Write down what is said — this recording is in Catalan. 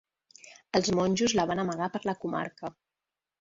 Els monjos la van amagar per la comarca.